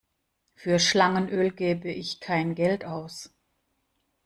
Für Schlangenöl gebe ich kein Geld aus.